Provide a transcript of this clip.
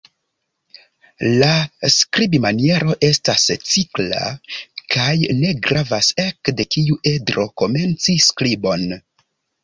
La skribmaniero estas cikla kaj ne gravas ekde kiu edro komenci skribon.